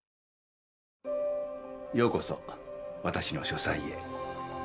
ようこそ私の書斎へ。